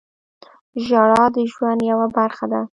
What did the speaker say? • ژړا د ژوند یوه برخه ده.